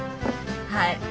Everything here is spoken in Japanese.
はい。